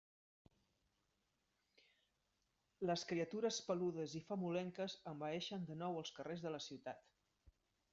Les criatures peludes i famolenques envaeixen de nou els carrers de la ciutat!